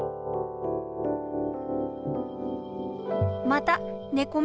またねこ